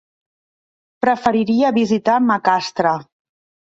Preferiria visitar Macastre.